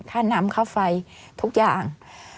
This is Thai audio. ค่าน้ำค่าไฟทุกอย่าง